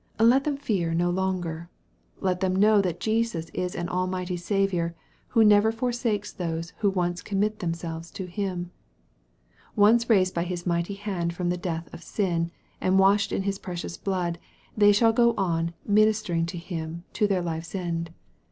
Let them fear no longer. Let them know that Jesus is an Almighty Saviour, who never for sakes those who once commit themselves to Him. Once raised by His mighty hand from the death of sin, and washed in His precious blood, they shall go on " minister ing to Him" to their life's end.